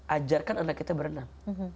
ajarkan anak kita berenang